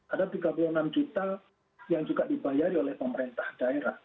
ada tiga puluh enam juta yang juga dibayari oleh pemerintah daerah